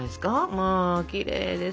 まあきれいです。